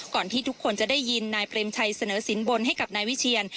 ที่ทุกคนจะได้ยินนายเปรมชัยเสนอสินบนให้กับนายวิเชียน